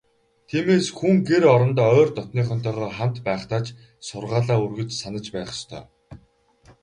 Тиймээс, хүн гэр орондоо ойр дотнынхонтойгоо хамт байхдаа ч сургаалаа үргэлж санаж байх ёстой.